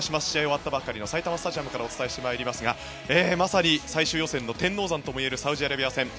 試合が終わったばかりの埼玉スタジアムからお伝えしてまいりますが、まさに最終予選の天王山ともいえるサウジアラビア戦。